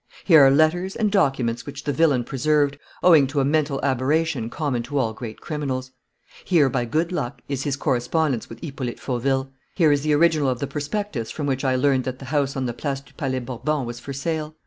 "Here are letters and documents which the villain preserved, owing to a mental aberration common to all great criminals. Here, by good luck, is his correspondence with Hippolyte Fauville. Here is the original of the prospectus from which I learned that the house on the Place du Palais Bourbon was for sale.